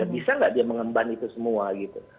bisa nggak dia mengemban itu semua gitu